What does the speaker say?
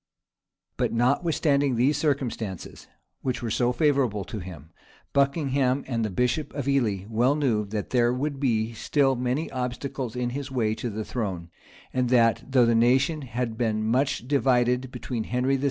But notwithstanding these circumstances, which were so favorable to him, Buckingham and the bishop of Ely well knew that there would still be many obstacles in his way to the throne; and that, though the nation had been much divided between Henry VI.